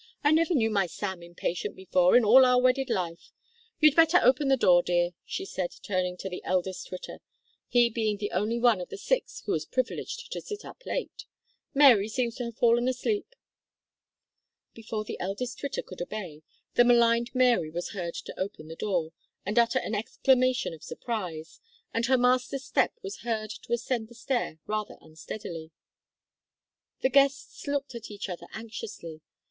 I never knew my Sam impatient before in all our wedded life. You'd better open the door, dear," she said, turning to the eldest Twitter, he being the only one of the six who was privileged to sit up late, "Mary seems to have fallen asleep." Before the eldest Twitter could obey, the maligned Mary was heard to open the door and utter an exclamation of surprise, and her master's step was heard to ascend the stair rather unsteadily. The guests looked at each other anxiously.